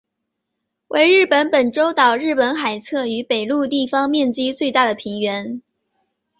为日本本州岛日本海侧与北陆地方面积最大的平原。